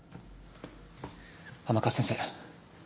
甘春先生